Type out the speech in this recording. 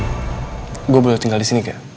gue boleh tinggal disini gak